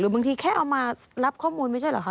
หรือบางทีแค่เอามารับข้อมูลไม่ใช่หรือ